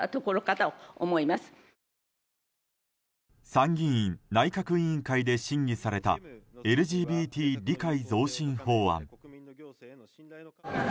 参議院内閣委員会で審議されたＬＧＢＴ理解増進法案。